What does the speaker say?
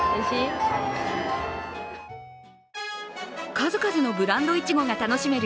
数々のブランドいちごが楽しめる